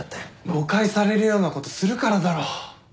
誤解されるようなことするからだろ。